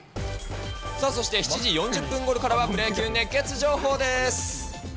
そして７時４０分ごろからはプロ野球熱ケツ情報です。